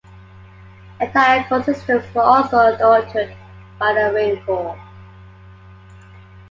Entire ecosystems were also altered by the rainfall.